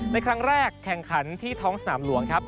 ในครั้งแรกแข่งขันที่ท้องสนามหลวงครับ